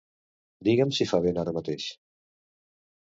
Digue'm si fa vent ara mateix.